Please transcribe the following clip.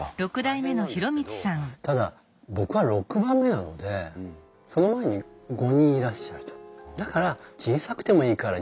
大変なんですけどただ僕は６番目なのでその前に５人いらっしゃると。